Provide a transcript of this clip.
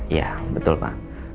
iya betul pak